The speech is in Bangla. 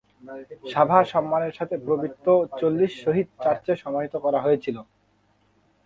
সাভা সম্মানের সাথে পবিত্র চল্লিশ শহীদ চার্চে সমাহিত করা হয়েছিল।